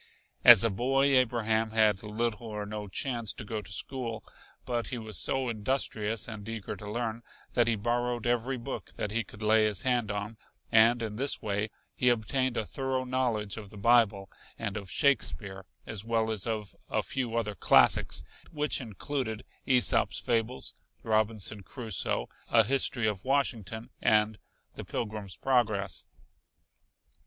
As a boy Abraham had little or no chance to go to school, but he was so industrious and eager to learn that he borrowed every book that he could lay his hand on, and in this way he obtained a thorough knowledge of the bible and of Shakespeare as well as of a few other classics, which included Æsop's fables, Robinson Crusoe, a history of Washington and the Pilgrim's Progress.